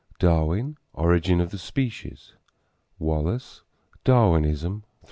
Darwin, Origin of Species; Wallace, Darwinism; 3.